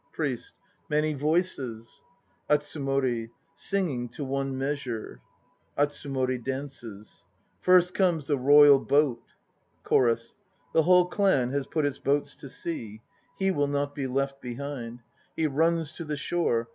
. PRIEST. Many voices ATSUMORI. Singing to one measure. (ATSUMORI dances.) I irst comes the Royal Boat. CHORUS. The whole clan has put its boats to sea. He 1 will not be left behind; He runs to the shore.